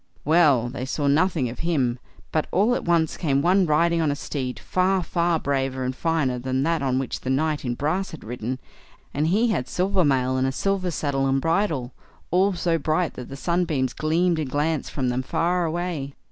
Well! they saw nothing of him; but all at once came one riding on a steed, far, far, braver and finer than that on which the knight in brass had ridden, and he had silver mail, and a silver saddle and bridle, all so bright that the sun beams gleamed and glanced from them far away.